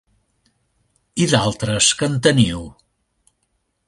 I d'altres, que en teniu?